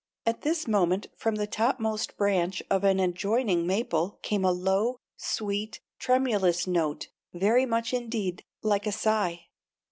At this moment from the topmost branch of an adjoining maple came a low, sweet, tremulous note very much indeed like a sigh.